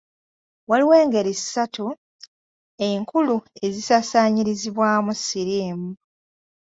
Waliwo engeri ssatu enkulu ezisaasaanyirizibwamu siriimu.